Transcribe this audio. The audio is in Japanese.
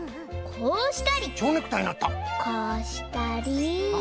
こうしたり。